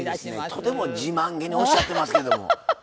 とても自慢げにおっしゃってますけども。